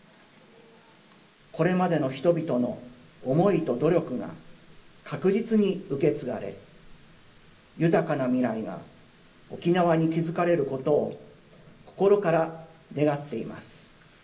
これまでの人々の思いと努力が確実に受け継がれ、豊かな未来が沖縄に築かれることを心から願っています。